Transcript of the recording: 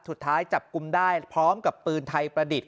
สุดท้ายจับกลุ่มได้พร้อมกับปืนไทยประดิษฐ